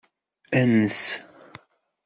Ens.